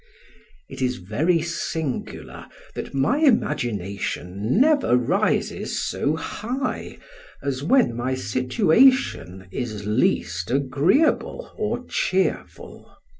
It is very singular that my imagination never rises so high as when my situation is least agreeable or cheerful.